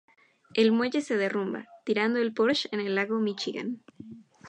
El muelle se derrumba, tirando el Porsche en el lago Michigan.